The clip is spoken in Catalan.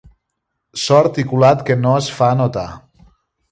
So articulat que no es fa notar.